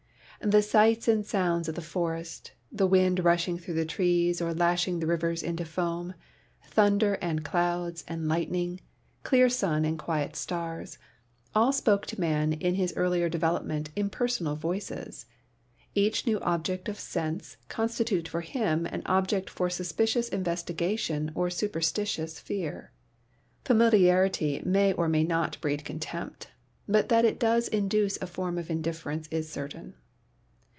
The sights and sounds of the forest, the wind rushing through the trees or lashing the rivers into foam, thunder and clouds and lightning, clear sun and quiet stars — all spoke to man in his earlier development in personal voices. Each new object of sense constituted for him an object for suspicious investigation or superstitious fear. Familiarity may or may not breed contempt, but that it does induce a form of indifference is certain.